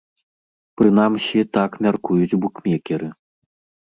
Прынамсі, так мяркуюць букмекеры.